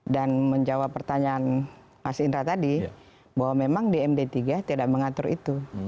menjawab pertanyaan mas indra tadi bahwa memang di md tiga tidak mengatur itu